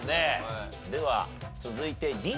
では続いてＤ。